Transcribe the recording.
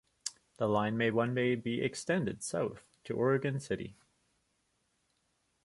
The line may one day be extended south to Oregon City.